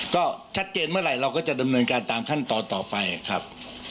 ก็ชัดเจนเมื่อไหร่เราก็จะดำเนินการตามขั้นตอนต่อไปครับ